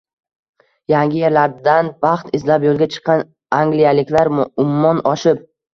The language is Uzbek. Yangi yerlardan baxt izlab yoʻlga chiqqan angliyaliklar ummon oshib